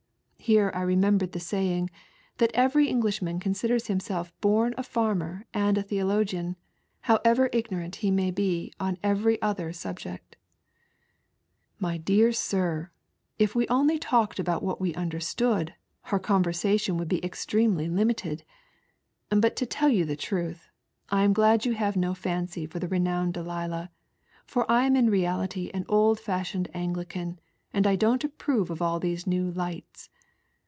Here I remembered the saying, that every Englishman considers himself bom a farmer and a theologian, however ignorant he may be on every other subject. "My dear sir, if we only talked about what we understood, our eonversation would be extremely limited. But to tell yon the truth, I am glad you Lave no fancy for the renowned Delia, for I am in reality an old fashioned Anglican, and don't approve of all these new lights.